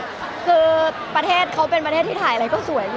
คือประเทศเขาเป็นประเทศที่ถ่ายอะไรก็สวยนะ